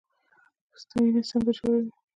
پسته وینه څنګه جوړوي؟